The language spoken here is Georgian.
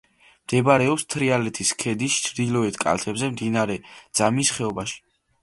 მდებარეობს თრიალეთის ქედის ჩრდილოეთ კალთაზე, მდინარე ძამის ხეობაში.